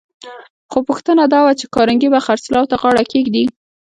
خو پوښتنه دا وه چې کارنګي به خرڅلاو ته غاړه کېږدي؟